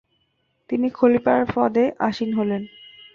তিনি খলিফার পদে আসীন হন।